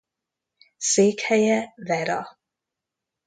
Székhelye Vera.